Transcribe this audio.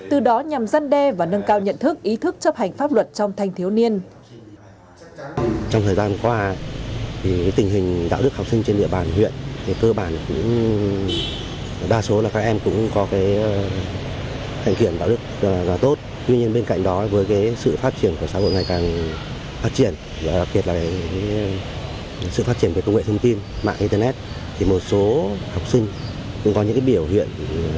từ đó nhằm răn đe và nâng cao nhận thức ý thức chấp hành pháp luật trong thanh thiếu niên